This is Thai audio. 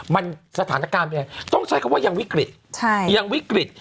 มันสถานการณ์เป็นยังไงต้องใช้คำว่ายังวิกฤตยังวิกฤต